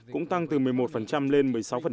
cũng tăng từ một mươi một lên một mươi sáu